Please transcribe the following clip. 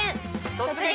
「突撃！